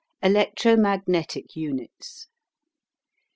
ELECTRO MAGNETIC UNITS.